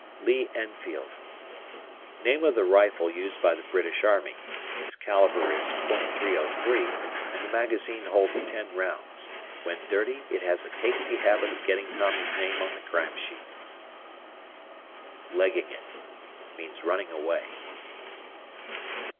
Lee Enfield. Name of the rifle used by the British Army. Its caliber is .303 and the magazine holds ten rounds. When dirty it has a tasty habit of getting Tommy's name on the crime sheet. "Legging it." Running away.